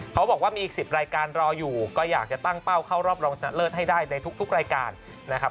เขาบอกว่ามีอีก๑๐รายการรออยู่ก็อยากจะตั้งเป้าเข้ารอบรองชนะเลิศให้ได้ในทุกรายการนะครับ